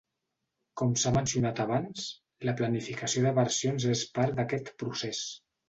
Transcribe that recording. Com s'ha mencionat abans, la planificació de versions és part d'aquest procés.